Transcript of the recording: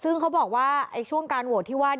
ซึ่งเขาบอกว่าช่วงการโหวตที่ว่า